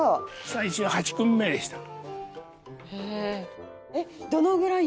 最終８組目でした。